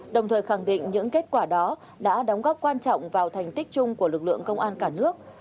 đồng thời khẳng định những kết quả đó đã đóng góp quan trọng vào thành tích chung của lực lượng công an cả nước